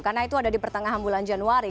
karena itu ada di pertengahan bulan januari